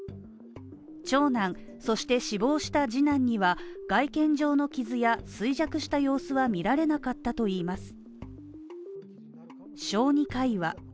長男、そして死亡した次男には外見上の傷や衰弱した様子はみられなかったといいます。